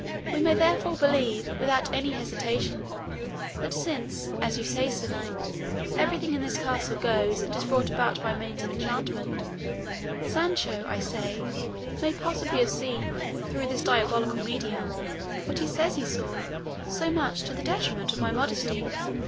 We may therefore believe, without any hesitation, that since, as you say, sir knight, everything in this castle goes and is brought about by means of enchantment, Sancho, I say, may possibly have seen, through this diabolical medium, what he says he saw so much to the detriment of my modesty."